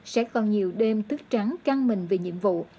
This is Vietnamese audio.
sẽ còn nhiều đêm tức trắng căng mình vì nhiệm vụ